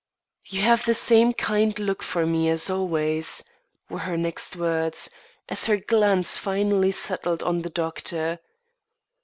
"You have the same kind look for me as always," were her next words, as her glance finally settled on the doctor.